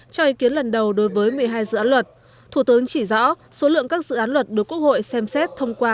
cho ý kiến lần đầu đối với một mươi hai dự án luật thủ tướng chỉ rõ số lượng các dự án luật được quốc hội xem xét thông qua